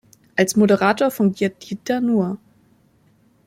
Als Moderator fungiert Dieter Nuhr.